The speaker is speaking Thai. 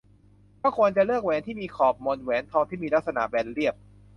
ก็ควรจะเลือกแหวนที่มีขอบมน แหวนทองที่มีลักษณะแบนเรียบ